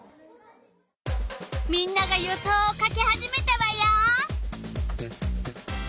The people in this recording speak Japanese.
みんなが予想を書き始めたわよ。